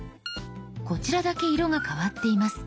こちらだけ色が変わっています。